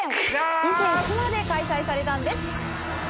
伊勢志摩で開催されたんです。